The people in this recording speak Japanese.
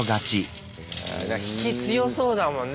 引き強そうだもんね